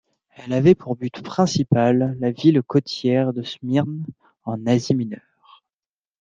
Elles avaient pour but principal la ville côtière de Smyrne en Asie Mineure.